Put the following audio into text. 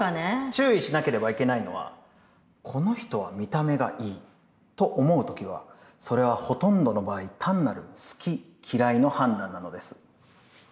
注意しなければいけないのはこの人は見た目がいいと思う時はそれはほとんどの場合単なる好き嫌いの判断なのです。